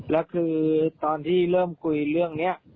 แล้วคือตอนที่เริ่มคุยเรื่องนี้